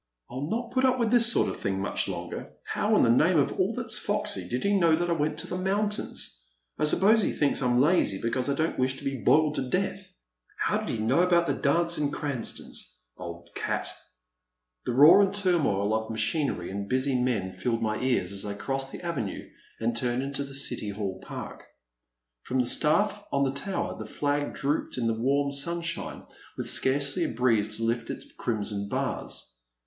I *11 not put up with this sort of thing much longer — ^how in the name of all that 's foxy did he know that I went to the moun tains ? I suppose he thinks I 'm lazy because I don't wish to be boiled to death. How did he know about the dance at Cranston's ? Old cat! *' The roar and turmoil of machinery and busy men filled my ears as I crossed the avenue and turned into the City Hall Park. From the staflF on the tower the flag drooped in the warm sunshine with scarcely a breeze to lift its crimson bars.